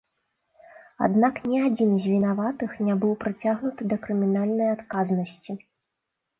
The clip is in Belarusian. Аднак ні адзін з вінаватых ня быў прыцягнуты да крымінальнай адказнасці.